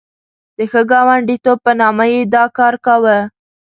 د ښه ګاونډیتوب په نامه یې دا کار کاوه.